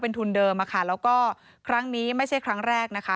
ทุนเดิมอะค่ะแล้วก็ครั้งนี้ไม่ใช่ครั้งแรกนะคะ